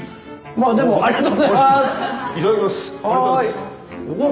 まあでもありがとうございますいただきます